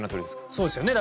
そうですよね。